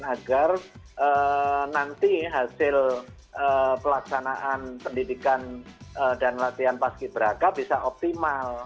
agar nanti hasil pelaksanaan pendidikan dan latihan paski beraka bisa optimal